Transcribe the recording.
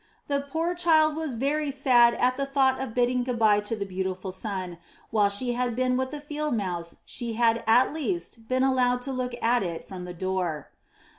The poor child was very sad at the thought of bidding good bye to the beautiful sun; while she had been with the Field Mouse she had at least been allowed to look at it from the door.